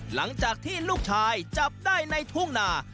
หลังจากที่ลูกชายจับได้ในทุ่งนา